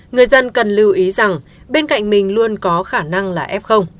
người dân cần lưu ý rằng bên cạnh mình luôn có khả năng là f